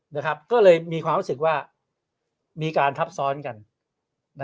นะครับก็เลยมีความรู้สึกว่ามีการทับซ้อนกัน